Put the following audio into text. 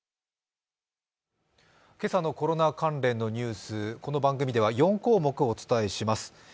今朝のコロナ関連のニュースこの番組では４項目お伝えします。